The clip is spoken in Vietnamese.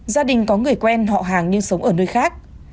gia đình có người quen họ hàng nhưng sống ở nơi khác